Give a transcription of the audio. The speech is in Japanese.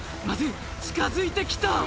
「まずい近づいて来た！」